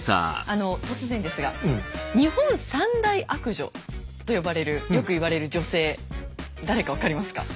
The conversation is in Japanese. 突然ですが「日本三大悪女」と呼ばれるよく言われる女性誰か分かりますか？